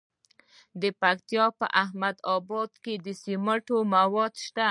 د پکتیا په احمد اباد کې د سمنټو مواد شته.